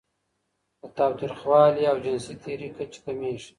د تاوتریخوالي او جنسي تیري کچه کمېږي.